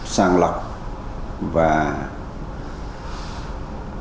sàng lọc và phát triển khoa học